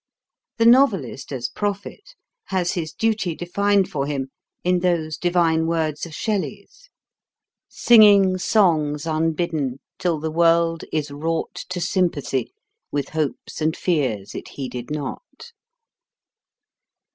The novelist as prophet has his duty defined for him in those divine words of Shelley's: "Singing songs unbidden Till the world is wrought To sympathy with hopes and fears it heeded not."